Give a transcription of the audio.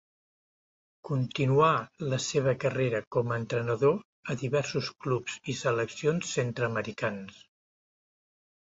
Continuà la seva carrera com a entrenador a diversos clubs i seleccions centre-americans.